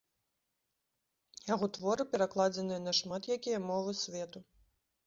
Яго творы перакладзеныя на шмат якія мовы свету.